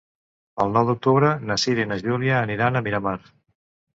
El nou d'octubre na Cira i na Júlia aniran a Miramar.